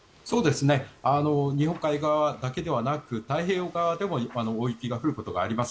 日本海側だけではなく太平洋側でも大雪が降ることがあります。